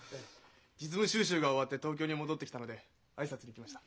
実務修習が終わって東京に戻ってきたので挨拶に来ました。